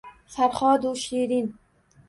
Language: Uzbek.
Farhodu Shirin